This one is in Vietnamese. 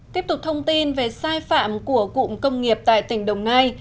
tiếp tục thông tin về sai phạm của cụm công nghiệp tại tỉnh đồng nai